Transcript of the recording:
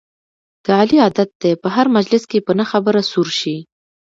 د علي عادت دی په هر مجلس کې په نه خبره سور شي.